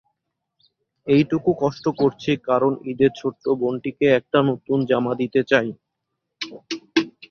এইটুক কষ্ট করছি, কারণ ঈদে ছোট্ট বোনটিকে একটা নতুন জামা দিতে চাই।